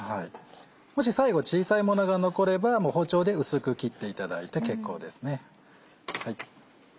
もし最後小さいものが残れば包丁で薄く切っていただいて結構ですね。